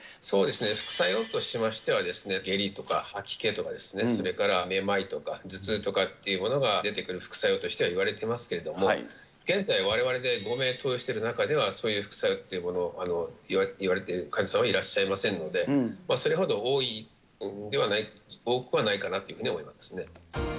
そうですね、副作用としましては、下痢とか吐き気とかですね、それからめまいとか頭痛とかというものが出てくる、副作用としてはいわれていますけれども、現在、われわれで５名投与している中では、そういう副作用というもの、いわれている患者さんはいらっしゃいませんので、それほど多くはないかなと思いますね。